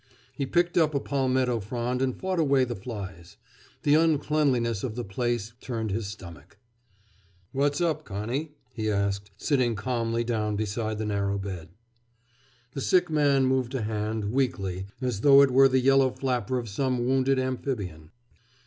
He picked up a palmetto frond and fought away the flies. The uncleanness of the place turned his stomach. "What's up, Connie?" he asked, sitting calmly down beside the narrow bed. The sick man moved a hand, weakly, as though it were the yellow flapper of some wounded amphibian.